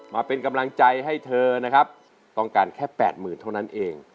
มาเป็นกำลังใจให้เธอนะครับต้องการแค่แปดหมื่นเท่านั้นเอง